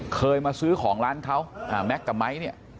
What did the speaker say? เคยมาซื้อของร้านเขาแม็กซ์กับไม้เนี่ย